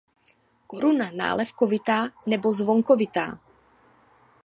Koruna nálevkovitá nebo zvonkovitá.